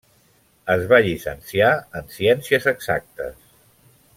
Es va llicenciar en Ciències Exactes.